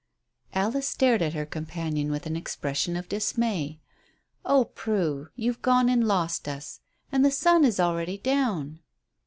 Alice stared at her companion with an expression of dismay. "Oh, Prue, you've gone and lost us and the sun is already down."